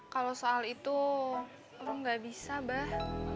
kalau soal itu rum nggak bisa mbah